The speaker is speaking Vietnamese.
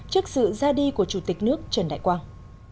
trước sự ra đi của chủ tịch nước trần đại quang